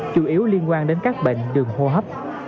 chủ yếu liên quan đến các bệnh đường hô hấp